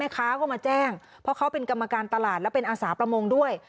ค้าก็มาแจ้งเพราะเขาเป็นกรรมการตลาดและเป็นอาสาประมงด้วย